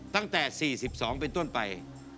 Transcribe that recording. ตั้งแต่๔๒เป็นต้นไป